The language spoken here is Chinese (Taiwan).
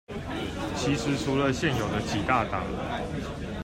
其實除了現有的幾大黨